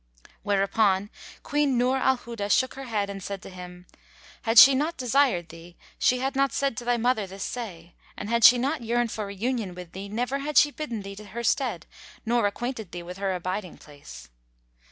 '" Whereupon Queen Nur al Huda shook her head and said to him, "Had she not desired thee she had not said to thy mother this say, and had she not yearned for reunion with thee, never had she bidden thee to her stead nor acquainted thee with her abiding place."